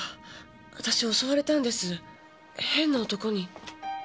私襲われたんです変な男に。